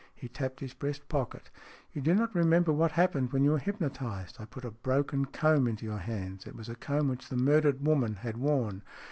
He tapped his breast pocket. " You do not remember what happened when you were hypnotized. I put a broken comb into your hands. It was a comb which the murdered woman had worn.